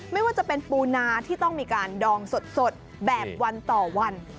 ไม่ว่าจะเป็นปูนาที่ต้องมีการดองสดแบบวันต่อวัน